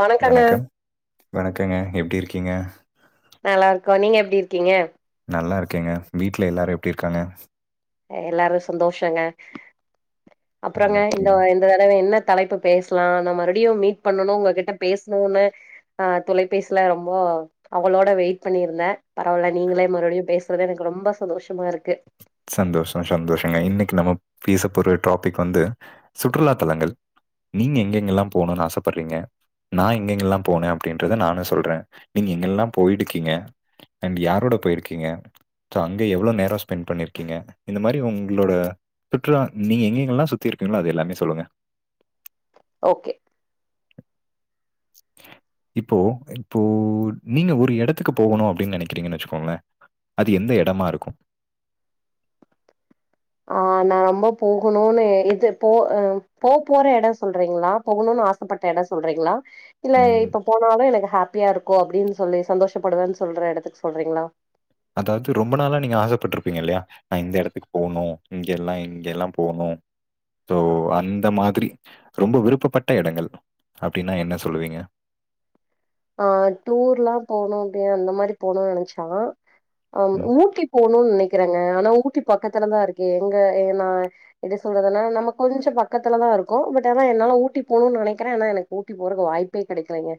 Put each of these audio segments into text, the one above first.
வணக்கங்க வணக்கம் வணக்கங்க எப்படி இருக்கு க நல்லா இருக்கோம் நீங்க எப்படி இருக்கீங்க நல்லா இருக்கேங்க வீட்டுல எல்லாரும் எப்படி இருக்காங்க எல்லாரும் சந்தோஷங்க அப்புறங்க இந்த ஓகேங்க. இந்த தடவை என்ன தலைப்பு பேசலாம் நான் மறுபடியும் மீட் பண்ணணும் உங்ககிட்ட பேசணும்னு அஹ் தொலைபேசில ரொம்ப ஆவளோட வெயிட் பண்ணியிருந்தேன் பரவால்ல நீங்களே மறுபடியும் பேச எனக்கு ரொம்ப சந்தோஷமா இருக்கு சந்தோஷம் சந்தோஷங்க இன்னைக்கு நம்ம பேச போற டாபிக் வந்து சுற்றுலா தலங்கள் நீங்க எங்கங்கல்லாம் போணும்னு ஆசைப்படுறீங்க நான் எங்கெங்கல்லாம் போனேன் அப்படின்றத நானும் சொல்றேன் நீங்க எங்கல்லாம் போயிருக்கீங்க அண்ட் யாரோட போயிருக்கீங்க அங்க எவ்வளோ நேரம் ஸ்பெண்ட் பண்ணிரு ங்க இந்த மாதிரி உங்களோட சுற்றுலா நீங்க எங்கங்கல்லா சுத்தி இருக்கீங்களோ அது எல்லாமே சொல்லுங்க ஓகே இப்போ இப்போ நீங்க ஒரு இடத்துக்கு போகணும் அப்படின்னு நினைக்கிறீங்கன்னு வச்சுக்கோங்களேன் அது எந்த இடமா இருக்கும் ஆஹ் நான் ரொம்ப போகணும்னு இது போ போ போற இடம் சொல்றீங்களா போகணும்ன்னனு ஆசைப்பட்ட இடம் சொல்றீங்களா இல்ல ம். இப்ப போனாலும் எனக்கு ஹப் பிரியா இருக்கும் அப்படின்னு சொல்லி சந்தோஷப்படுவேன்னு சொல்ற இடத்துக்கு சொல்றீங்களா அதாவது ரொம்ப நாளா நீங்க ஆசைப்பட்டிருப்பீங்க இல்லையா நான் இந்த இடத்துக்கு போகணும் இங்க எல்லாம் இங்க எல்லாம் போணும் சோ அந்த மாதிரி ரொம்ப விருப்பப்பட்ட இடங்கள் அப்படின்னா என்ன சொல்லுவீங்க ஆஹ் டூர்லாம் போகணும் அப்படி அந்த மாரி போகணும் நினைச்சா ஆ ம். ஊட்டி போணுன்னு நினைக்கிறேங்க ஆனா ஊட்டி பக்கத்துலதான் இருக்குே எங்க நான் எப்படி சொல்றதுன்னா நம்ம கொஞ்சோ பக்கத்துலதான் இருக்கோ பட் ஆனா என்னால ஊட்டி போணுன்னு நினைக்கிறே ஆனா எனக்கு ஊட்டி போறதுக்கு வாய்ப்பே கிடைக்கலைீங்க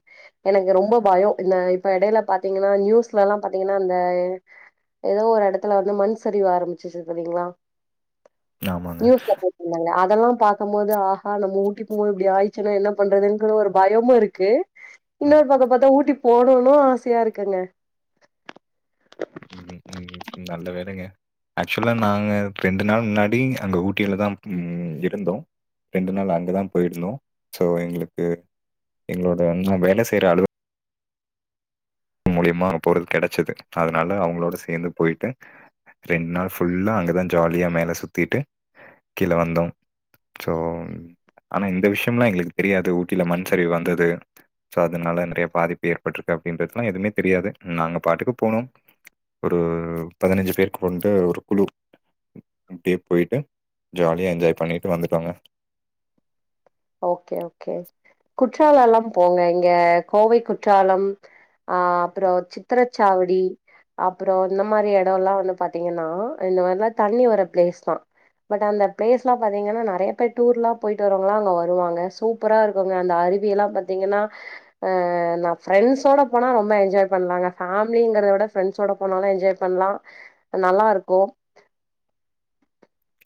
எனக்கு ரொம்ப பயம் இந்த இப்ப இடையில பாத்தீங்கனா நியூஸ்ல எல்லாம் பாத்தீங்கனா அந்த ஏதோ ஒரு இடத்துல வந்து மண் சரிவு ஆரம்பிச்சுச்சு பார்த்திங்கங்களா ஆமாங்க. நியூஸ்ல போட்டாங்க அதெல்லாம் பாக்கும் போது ஆஹா நம்ம ஊட்டி போக போது இப்படி ஆயிச்சுன்னா என்ன பண்றதுங்கற ஒரு பயமும் இருக்கு அ இன்னொரு பக்கம் பார்த்தா ஊட்டி போணும்னு ஆசையா இருக்குங்க ம், ம். நல்ல வேளைங்க. ஆக்சுவலா நாங்க ரெண்டு நாள் முன்னாடி அங்க ஊட்டிலதான் ம் இருந்தோ ரெண்டு நாள் அங்கதா போயிருந்தோ சோ எங்களுக்கு எங்களோட நா வேல செய்ற அலு மூலியமா பொருள் கெடச்சுது அதுனால அவுங்களோட சேந்து போயிட்டு ரெண்டு நாள் ஃபுல்லா அங்கதான் ஜாலியா மேல சுத்திட்டு கீல வந்தோம் சோ ஆனா இந்த விஷயம்ல்லாம் எங்களுக்கு தெரியாது ஊட்டில மண் சரிவு வந்தது சோ அதனால நெறைய பாதிப்பு ஏற்பட்டிருக்கு அப்டின்றது ல்லாம் எதுமே தெரியாது நாங்க பாட்டுக்கு போனோம் ஒரு பதினஞ்சு பேரு கொண்ட ஒரு குழு அப்டே போயிட்டு ஜாலியா என்ஜாய் பண்ணிகிட்டு வந்துடோங்க ஓகே ஓகே குற்றாலல்லா போங்க இங்க கோவை குற்றாலம் ஆ அப்புறொ சித்திரச்சாவடி அப்புறொ இந்த மாரி எடோல்லா வந்து பாத்தீங்கன்னா இந்த மாரிலா தண்ணி வர பிளேஸ்தா பட் அந்த பிளேஸ்லா பாத்தீங்கன்னா நெறைய பேர் டூர்லா போயிட்டு வரவங்கல்லா அங்க வரு ருவாங்க சூப்பரா இருக்குங்க அந்த அருவியெல்லா பாத்தீங்கன்னா ஆ நா ஃப்ரெண்ட்ஸோட போனா ரொம்ப என்ஜாய் பண்லாங்க ஃபமிலிங்கற விட ஃப்ரெண்ட்ஸோட போனாலு என்ஜாய் பண்லாம் நல்லா இருக்கும்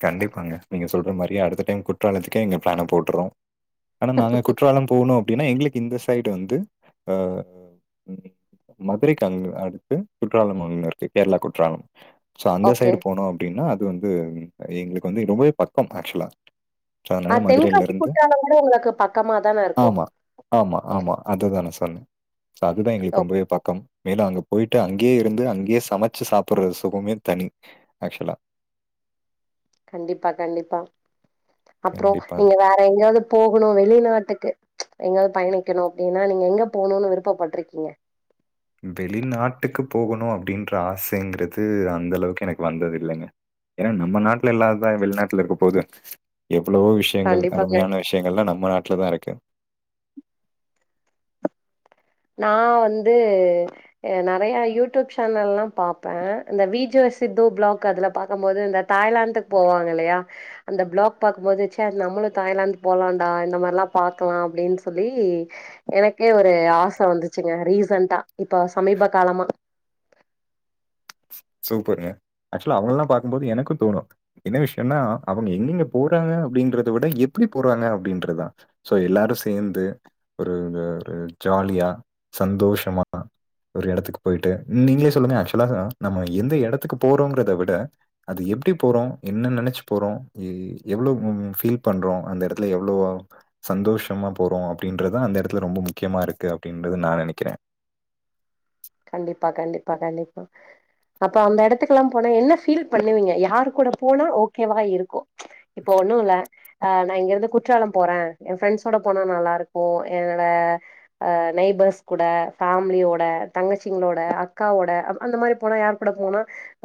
கண்டிப்பாங்க நீங்க ஸ் சொல்ற மாரியே அடுத்த டைம் குற்றாலத்துக்கே எங்க ப்ளான போட்டுற்றோ ஆனா நாங்க குற்றாலம் போணோம் அப்டின்னா எங்களுக்கு இந்த சைடு வந்து ஆ ம் மதுரைக்கு அங்க அடுத்து குற்றாலம் அங்க இருக்கு கேரளா குற்றாலம் சோ அந்த ஓகே சைடு போனோ அப்டின்னா இது வந்து அ எங்களுக்கு வந்து ரொம்பவே பக்கம் ஆக்சுவலா சோ அ அதனால மதுரையில தென்காசி இருந்து குற்றாலம் கூட உங்களுக்கு பக்கமாதான இருக்கும் தண்ணி சோ அதுதான் எங்களுக்கு ரொம்பவே பக்கம் மேலு அங்க போயிட்டு அங்கேயே இருந்து அங்கேயே சமச்சு சாப்பிட்றது சுகமே தனி ஆக்சுவலா கண்டிப்பா கண்டிப்பா அப்றொ கண்டிப்பா. நீங்க வேற எங்யாவது போகணு வெளிநாட்டுக்கு எங்காவது பயணிக்கணு அப்டின்னா நீங்க எங்க போணுன்னு விருப்பப்பட்ருக்கீங்க வெளிநாட்டுக்கு போகணு அப்டின்ற ஆசைங்கிறது அந்த அளவுக்கு எனக்கு வந்தது இல்லைங்க ஏன்னா நம்ப நாட்ல இல்லாததா வெளிநாட்ல இருக்க போது எவ் வ்ளோ விஷயங்கள் கண்டிப்பாங்க அருமையான விஷயங்கள்லா நம்ம நாட்ல தா இருக்கு நா வந்து அ நெறையா யூடியூப் ஷேனல்லா பாப்பேன் இந்த விஜே சித்து பிளாக் அதுல பாக்கும் போது இந்த தாய்லாந்துக்கு போவாங்க இல்லையா அந்த பிளாக் பாக்கும் போது ச்ச நம்மளு தாய்லாந்து போலான்டா இந்த மாரில்லா பாக்கலா அப்டின்னு சொல்லி எனக்கே ஒரு ஆச இப்ப வந்துச்சுங்க ரீசண்டா இப்ப சமீப காலமா சூப்பருங்க ஆக்சுவலா அவுங்கலெல்லா பாக்கும்போது எனக்கும் தோணு என்ன விஷயொன்னா அவங்க எங்கெங்க போறாங்க அப்டிங்கறத விட எப்டி போறாங்க அப்டின்றதுதான் சோ எல்லாரு சேந்து ஒரு அ ஒரு ஜாலியா சந்தோஷமா ஒரு எடத்துக்கு போயிட்டு நீங்களே சொல்லுங்க ஆக்சுவலா நம்ம எந்த எடத்துக்கு போறோங்கிறத விட அது எப்டி போறோ என்ன நெனச்சு போறோ எ எவ்வளவு ஃபீல் பண்றோ அந்த எடத்துல எவ்வளவு சந்தோஷமா போறோ அப்டின்றதா அந்த எடத்துல ரொம்ப முக்கியமா இருக்கு அப்டின்றது நா நெனைக்கிறே கண்டிப்பா கண்டிப்பா கண்டிப்பா அப்ப அந்த எடத்துக்கெல்லா போனா என்ன ஃபீல் பண்ணுவீங்க யாரு கூட போனா ஓகேவா இருக்கும் இப்ப ஒண்ணு இல்ல ஆ நா இங்கருந்து குற்றாலம் போறே என் ஃபிரெண்ட்ஸோட போனா நல்லாருக்கு என்னோட நெயபர்ஸ் கூட ஃபேமிலியோட தங்கச்சிங்களோட அக்காவோட அந் அந்த மாரி போனா யார் கூட போனா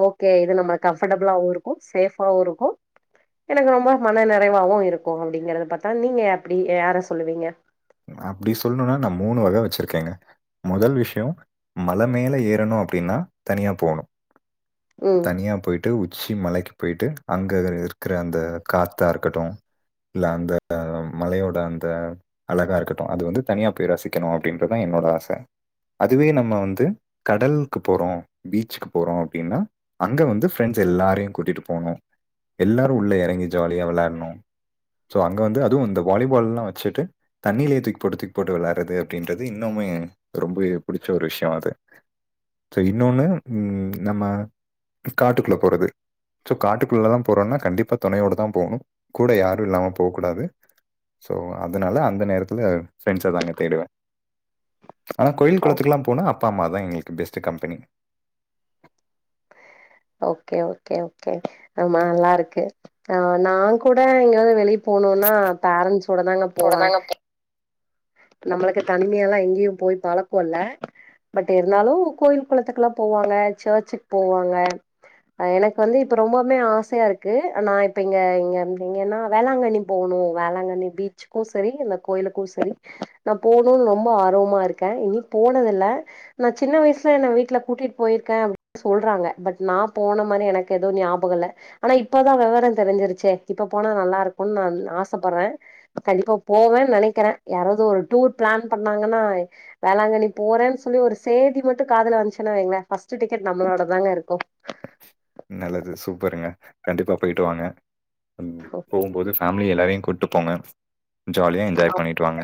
ஓகே இது நம்ம கம்ஃபர்டபிளாவு இருக்கும் சேஃபாவு இருக்கும் எனக்கு ரொம்ப மன நெறைவாவு இருக்கும் அப்டிங்கறத பாத்தா நீங்க அப்டி யார சொல்லுவீங்க அப்டி சொல்ணுன்னா நா மூணு வக வச்சிருக்கேங்க முதல் விஷயொ மல மேல ஏறணு அப்டின்னா தனியா போணு ம் தனியா போயிட்டு உச் உச்சி மலைக்கு போயிட்டு அங்க இருக்குற அந்த காத்தா இருக்கட்டும் இல்ல அந்த மலையோட அந்த அலகா இருக்கட்டும் அது வந்து தனியா போய் ரசிக்கணு அப்டின்றதா என்னோட ஆச அதுவே நம்ம வந்து கடலுக்கு போறோ பீச்சுக்கு போறோ அப்டின்னா அங்க வந்து ஃப்ரெண்ட்ஸ் எல்லாரையு கூட்டிட்டு போணு எல்லாரு உள்ள எறங்கி ஜாலியா வெளையாட்ணு சோ அங்க வந்து அதுவு இந்த வாலிபால்லா வச்சுட்டு தண்ணிலே தூக்கி போட்டு தூக்கி போட்டு வெளையாட்றது அப்டின்றது இன்னுமே எனக் ரொம்பவே புடிச்ச ஒரு விஷயொ அது சோ இன்னொன்னு ம் நம்ம காட்டுக்குள்ள போறது சோ காட்டுக்குள்ளல்லா போறோம்னா கண்டிப்பா தொணையோட தா போணு கூட யாரும் இல்லாம போக்கூடாது சோ அந் அதனால அந்த நேரத்துல பிரெண்ட்ஸ தாங்க தேடுவே ஆனா கோயில் கொளத்துக்குல்லா போன அப் ப்பாமா தா எங்களுக்கு best company okay okay okay ஆமா நல்லாருக்கு ஆ நா கூட எங்கயாவது வெளிப் போனுன்னா பேரண்ட்ஸோட தாங்க போவெ நம்மளுக்கு தனிமையால்லா எங்யும் போய் பழக்கொ இல்ல பட் இருந்தாலு கோயில் கொளத்துக்குல்லா போவாங்க சர்ச்சுக் போவாங்க அ எனக் வந்து இப்ப ரொம்பவ்மே ஆசையாருக்கு நா இப்ப இங்க இங்க இங்கன்னா வேளாங்கண்ணி போவுணு வேளாங்கண்ணி பீச்சுக்கு சரி இந்த கோயிலுக்கு சரி நா போனுன் ரொம்ப ஆர்வமா இருக்கே இனி போனதுல்ல நா சின்ன வயசுல என்ன வீட்ல கூட்டிட் போயிருக்கே [inaudible] சொல்றாங்க பட் நா போன மாரி எனக்கு எதுவ் ஞாபகொல்ல ஆனா இப்பதா வெவரந் தெரிஞ்சிருச்சே இப்ப போனா நல்லாருக்குன் நான் ஆசப்பட்றே கண்டிப்பா போவேன் நனைக்கிறே யாராவ்து ஒரு டூர் பிளான் பண்ணாங்கன்னா வேளாங்கண்ணி போறேன் சொல்லி ஒரு சேதி மட்டு காதுல வன்ச்சுன்னா வைங்ளே ஃபர்ஸ்ட்டு டிக்கெட் நம்மளோடதுதாங்க இருக்கு நல்லது சூப்பருங்க கண்டிப்பா போயிட்டு வாங்க ம் போகும் போது ஃபேம் மிலி எல்லாரையு கூட்டு போங்க ஜாலியா என்ஜாய் பண்ணிட்டு வாங்க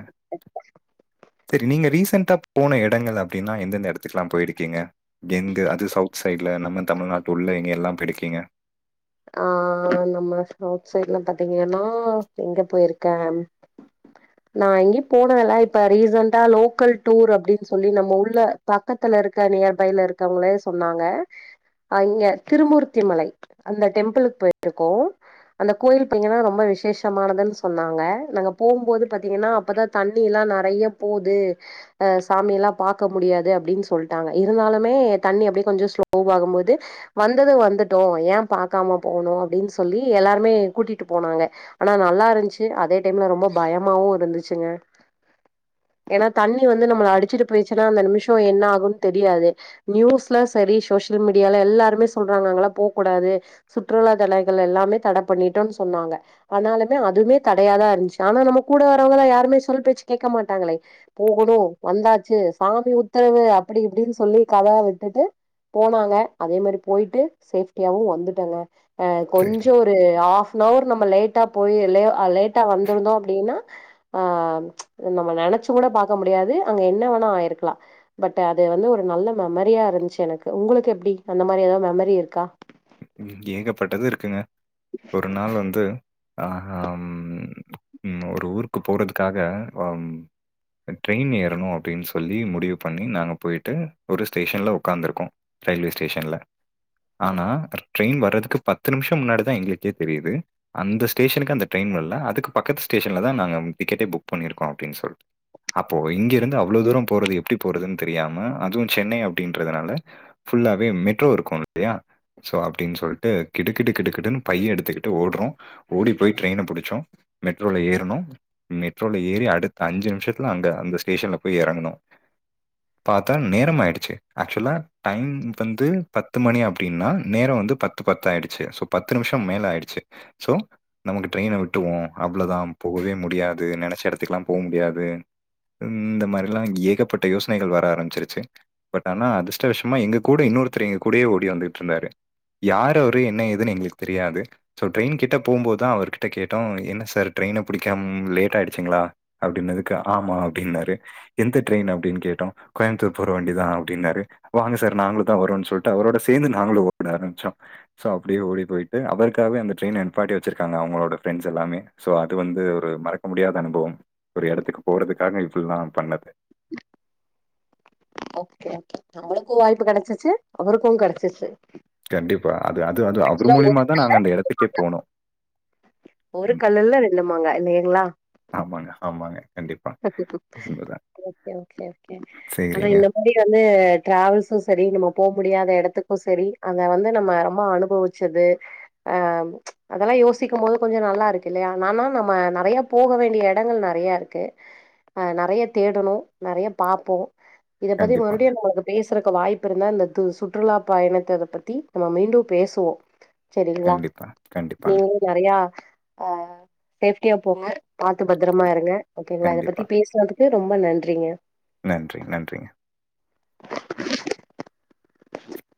செரி நீங்க ரீசென்ட்டா போன எடங்கள் அப்டின்னா எந்தெந்த எடத்துக்லா போயிருக்கீங்க எங்க அது சவுத் சைட்ல நம்ம தமிழ்நாட் டுள்ள எங்க எல்லா பொயிடுக்கீங்க ஆ நம்ம சவுத் சைட்ல பாத்தீங்கன்னா எங்க போயிருக்கே நா எங்யு போனதெல்ல இப்ப ரீசண்டா லோக்கல் டூர் அப்டின் சொல்லி நம்ம உள்ள பக்கத்துலருக்க நியர்பைல இருக்கவுங்களே சொன்னாங்க அ இங்க திருமூர்த்தி மலை அந்த டெம்பிளுக் போயிருக்கோ அந்த கோயில் போனிங்கனா ரொம்ப விஷேஷமானதுன் சொன்னாங்க நாங்க போகும்போது பாத்தீங்கன்னா அப்பதா தண்ணில்லா நெறைய போது அ சாமியெல்லா பாக்க முடியாது அப்டின் சொல்ட்டாங்க இருந்தாலுமே தண்ணி அப்டியே கொஞ்சொ ஸ்லோவாகும் போது வந்தது வந்துட்டோ ஏம் பாக்காம போகனு அப்டின் சொல்லி எல்லாருமே கூட்டிட்டு போனாங்க ஆனா நல்லாருன்ச்சு அதே டைம்ல ரொம்ப பயமாவு இருந்துச்சுங்க எனா தண்ணி வந்து நம்மள அடுச்சுட்டு போயிச்சுன்னா அந்த நிமிஷொ என்ன ஆகுன் தெரியாது நியூஸ்ல செரி ஷோஷியல் மீடியால எல்லாருமே சொல்றாங்க அங்கலாம் போ கூடாது சுற்றுலா தலங்கள் எல்லாமே தட பண்ணிட்டோன் சொன்னாங்க ஆனாலுமே அதுமே தடையாதா இருன்ச்சு ஆனா நம்ம கூட வரவ்ங்களா யாருமே சொல் பேச்சு கேக்க மாட்டாங்களே போகணு வந்தாச்சு சாமி உத்தரவு அப்பிடி இப்பிடின் சொல்லி கதலா விட்டுட்டு போனாங்க அதே மாரி போயிட்டு சேஃப்டியாவு வந்துட் டங்க அ சரி. கொஞ்சொ ஒரு ஆஃப்னவர் நம்ம லேட் டா போயி லெ அ லேட்டா வந்துருந்தோ அப்டின்னா ஆ நம்ம நெனச்சு கூட பாக்க முடியாது அங்க என்ன வெணா ஆயிருக்லா பட் அது வந்து ஒரு நல்ல மெமரியா இருன்ச்சு எனக்கு உங்குளுக்கு எப்டி அந்த மாரி எதா மெமரி இருக்கா ம் ஏகப்பட்டது இருக்குங்க ஒரு நாள் வந்து ஆ ஹம் ஒரு ஊருக்கு போறதுக்காக அம் ட்ரெயின் ஏறணு அப்டின் சொல்லி முடிவு பண்ணி நாங்க போய்ட்டு ஒரு ஸ்டேஷன்ல உக்காந்துருக்கோ ரயில்வே ஸ்டேஷன்ல ஆனா ட்ரெயின் வர்றதுக்கு பத்து நிமிஷம் முன்னாடிதா எங்களுக்கே தெரியிது அந்த ஸ்டேஷனுக்கு அந்த ட்ரெயின் வல்ல அதுக்கு பக்கத்து ஸ்டேஷன்ல தா நாங்க டிக்கெட்டே புக் பண்ணிருக்கோ அப்டின் சொல்லி அப்போ இங்கெருந்து அவ்ளோ தூரம் போறது எப்டி போறதுன் தெரியாம அதுவு சென்னை அப்டின்றதுனால ஃபுல்லாவே மெட்ரோ இருக்கு [inaudible] சோ அப் டின் சொல்ட்டு கிடு கிடு கிடு கிடுன்னு பைய எடுத்துக்கிட்டு ஓட்றோ ஓடி போய் ட்ரெயின புடுச்சோ மெட்ரோல ஏறுனொ மெட்ரோல ஏறி அடுத்த அஞ்சு நிமிஷத்துல அங்க அந்த ஸ்டேஷன்ல போய் எறங்குனோ பாத்தா நேரம் ஆயிடுச்சு ஆக்சுவலா டைம் வந்து பத்து மணி அப்டின்னா நேர வந்து பத்து பத்து ஆயிடுச்சு சோ பத்து நிமிஷம் மேல ஆயிடுச்சு சோ நமக்கு ட்ரெய்ன விட்டுவோ அவ்ளதாம்போகவே முடியாது நெனச்ச எடத்துக்லாம் போ முடியாது இந்த மாரில்லா ஏகப்பட்ட யோசனைகள் வர ஆரம்பிச்சிருச்சு பட் ஆனா அதிர்ஷ்ட வசமா எங்க கூட இன்னொருத்தர் எங்க கூடயே ஓடி வந்துட்ருந்தாரு யார் அவரு என்ன ஏதுனு எங்ளுக்கு தெரியாது ஸோ ட்ரெயின் கிட்ட போம்போதா அவர்கிட்ட கேட்டோ என்ன சார் ட்ரெயின புடிக்கம் லேட் ஆயிடுச்சுங்ளா அப்டின்னதுக்கு ஆமா அப்டின்னாரு எந்த ட்ரெயின் அப்டின் கேட்டோ கோயம்புத்தூர் போற வண்டி தா அப்டின்னாரு வாங்க சார் நாங்களு தா வரோன் சொல்ட்டு அவரோட சேந்து நாங்களு ஓட ஆரம்பிச்சோ சோ அப்டியே ஓடி போயிட்டு அவருக்காவே அந்த ட்ரெயின நிப்பாட்டி வச்சிருக்காங்க அவுங்களோட ஃப்ரெண்ட்ஸ் எல்லாமே சோ அது வந்து ஒரு மறக்க முடியாத அனுபவம் ஒரு எடத்துக்கு போறதுக்காக இப்பில்லா பண்ணது ஓகே ஓகே நம்மளுக்கு வாய்ப்பு கெடச்சுச்சு அவருக்கு கெடச்சுச்சு கண்டிப்பா அது அது அது அவர் மூலியமா தா நாங்க அந்த எடத்துக்கே போனோ ஒரு கல்லுல்ல ரெண்டு மாங்க இல்லையங்ளா ஆமாங்க, ஆமாங்க கண்டிப்பா. ம். உண்மதான். ஓகே ஓகே ஓகே ஆனா சரிங்க. இந்த மாரி வந்து ட்ராவல்ஸு செரி நம்ம போ முடியாத எடத்துக்கு செரி அங்க வந்து நம்ம ரொம்ப அனுபவுச்சது ஆ அதல்லா யோசிக்கும் போது கொஞ்ச நல்லா இருக்குல்லெயா நானா நம்ம நெறைய போக வேண்டிய எடங்கள் நெறைய இருக்கு அ நெறைய தேடணு நெறைய பாப்போ இத பத்தி கண்டிப்பாங்க, மறுபுடியு நம்மளுக்கு பே சுருக்க வாய்ப்பு இருந்தா இந்த து சுற்றுலா பயணத்த பத்தி நம்ம மீண்டு பேசுவோ செரிங்ளா கண்டிப்பா, கண்டிப்பாங்க, நீங்களு நெறையா அ சேஃப்டியா போங்க பாத்து பத்திரமா இருங்க ஓகேங்ளா இத பத்தி கண்டிப்பா. பேசுனதுக் கு ரொம்ப நன்றிங்க நன்றி நன்றிங்க [inaudible]